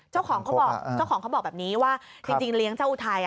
เจ้าของเขาบอกแบบนี้ว่าจริงเลี้ยงเจ้าอุไทย